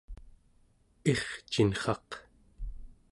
ircinrraq